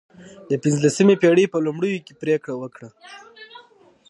د پنځلسمې پېړۍ په لومړیو کې پرېکړه وکړه.